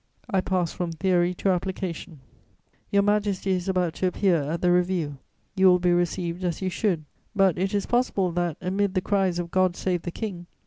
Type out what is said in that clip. "I pass from theory to application: "Your Majesty is about to appear at the review: you will be received as you should; but it is possible that, amid the cries of 'God Save the King!'